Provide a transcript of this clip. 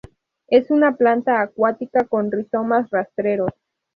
Es una planta acuática con rizomas rastreros.